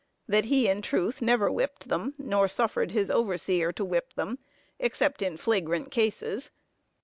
That he, in truth, never whipped them, nor suffered his overseer to whip them, except in flagrant cases.